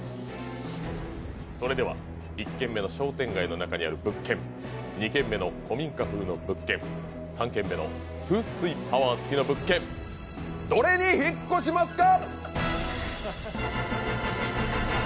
それでは１軒目の商店街の中にある物件、２軒目の古民家風の物件、３軒目の風水パワーつきの物件、どれに引っ越しますか？